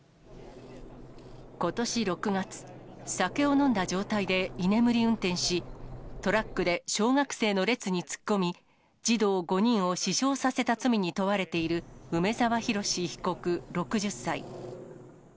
ことし６月、酒を飲んだ状態で居眠り運転し、トラックで小学生の列に突っ込み、児童５人を死傷させた罪に問われている梅沢洋被告６０歳。